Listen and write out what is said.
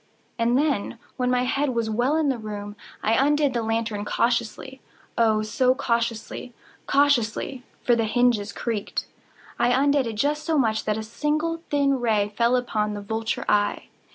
And then, when my head was well in the room, I undid the lantern cautiously—oh, so cautiously—cautiously (for the hinges creaked)—I undid it just so much that a single thin ray fell upon the vulture eye.